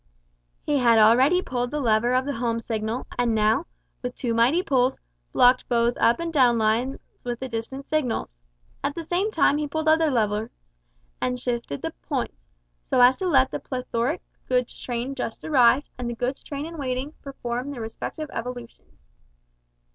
He had already pulled the lever of the home signal, and now, with two mighty pulls, blocked both up and down lines with the distant signals. At the same time he pulled other levers, and shifted the "points," so as to let the plethoric goods train just arrived, and the goods train in waiting, perform their respective evolutions.